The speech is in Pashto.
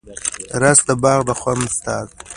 رس د باغ د خوند استازی دی